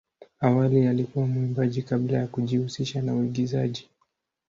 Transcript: Awali alikuwa mwimbaji kabla ya kujihusisha na uigizaji.